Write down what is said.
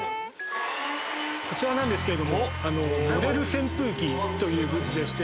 こちらなんですけれどものれる扇風機というグッズでして。